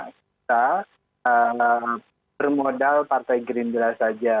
kita bermodal partai gerindra saja